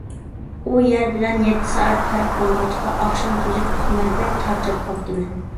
ئۇ يەر بىلەن يەتتە سائەت پەرق بولغاچقا، ئاخشام تۈزۈك ئۇخلىماي بەك چارچاپ قاپتىمەن.